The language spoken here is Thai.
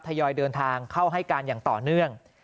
ยอยเดินทางเข้าให้การอย่างต่อเนื่อง